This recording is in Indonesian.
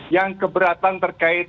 yang keberatan terkait